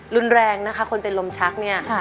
รุนแรงนะคะคนเป็นลมชักเนี่ย